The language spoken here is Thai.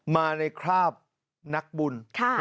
มาในคราบนักบุญ